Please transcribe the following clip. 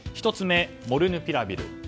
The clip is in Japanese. １つ目、モルヌピラビル。